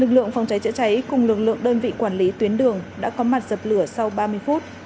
lực lượng phòng cháy chữa cháy cùng lực lượng đơn vị quản lý tuyến đường đã có mặt dập lửa sau ba mươi phút